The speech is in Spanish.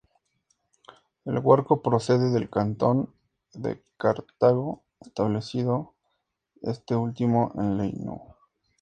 El Guarco procede del cantón de Cartago, establecido este último en ley No.